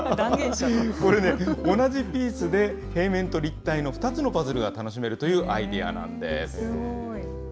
これね、同じピースで平面と立体の２つのパズルが楽しめるというアイデアなんです。